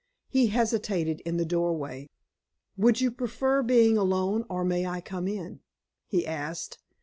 He hesitated in the doorway. "Would you prefer being alone, or may I come in?" he asked.